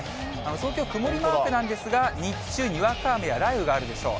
東京、曇りマークなんですが、日中、にわか雨や雷雨があるでしょう。